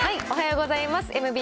おはようございます。